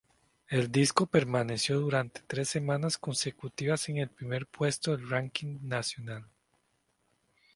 El disco permaneció durante tres semanas consecutivas en el primer puesto del ranking nacional.